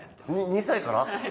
２歳から？